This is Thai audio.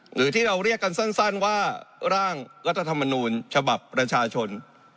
หรือที่เราเรียกกันสั้นว่าร่างรัฐธรรมนูญฉบับประชาชน